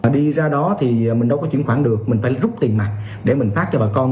đi ra đó thì mình đâu có chuyển khoản được mình phải rút tiền mặt để mình phát cho bà con